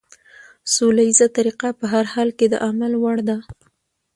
سوله ييزه طريقه په هر حال کې د عمل وړ ده.